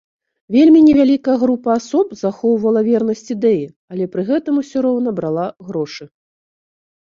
Вельмі невялікая група асоб захоўвала вернасць ідэі, але пры гэтым усё роўна брала грошы.